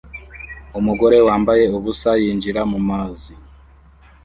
Umugore wambaye ubusa yinjira mu mazi